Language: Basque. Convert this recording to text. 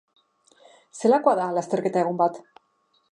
Zelakoa da lasterketa egun bat?